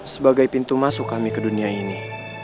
sebagai pintu masuk kami ke dunia ini